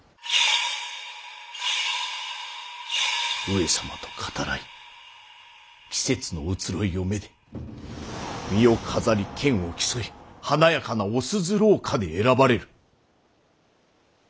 上様と語らい季節の移ろいをめで身を飾りけんを競い華やかなお鈴廊下で選ばれる。